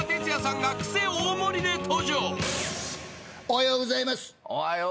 おはようございます。